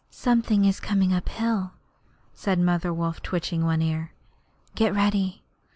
'Something is coming up hill,' said Mother Wolf, twitching one ear. 'Get ready.'